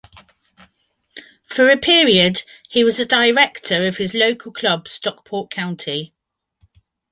For a period he was a Director of his local club Stockport County.